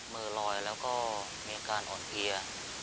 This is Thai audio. มือลอยแล้วก็มีอาการอ่อนเพลีย